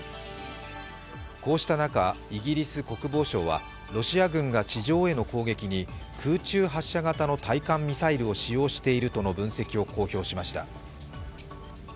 こうした中、イギリス国防省はロシア軍が地上への攻撃に空中発射型の対艦ミサイルを使用しているとの分析を公表しました。